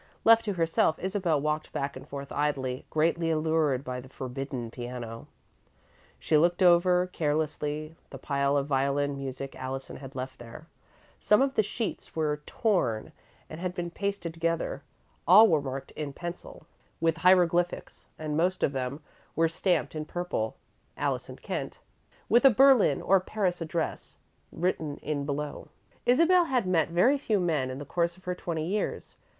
Left to herself, Isabel walked back and forth idly, greatly allured by the forbidden piano. She looked over, carelessly, the pile of violin music Allison had left there. Some of the sheets were torn and had been pasted together, all were marked in pencil with hieroglyphics, and most of them were stamped, in purple, "Allison Kent," with a Berlin or Paris address written in below. Isabel had met very few men, in the course of her twenty years.